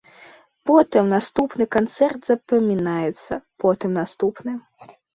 Потым наступны канцэрт запамінаецца, потым наступны.